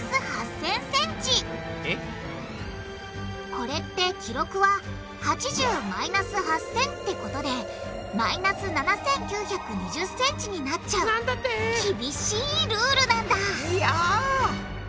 これって記録は８０マイナス８０００ってことでマイナス７９２０ｃｍになっちゃう厳しいルールなんだいや！